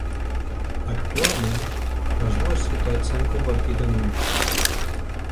Actualment, les dues ciutats s'han convertit en una.